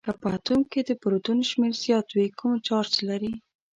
که په اتوم کې د پروتون شمیر زیات وي کوم چارج لري؟